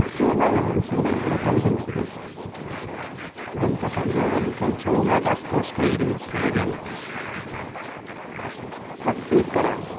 分科会の尾身会長が出すとしている提言です。